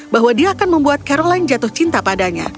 bahwa dia akan membuat caroline jatuh cinta padanya